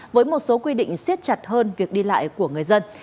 với một số quy định siết chặt hơn việc đi lại của người dân